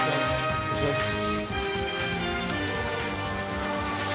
お願いします。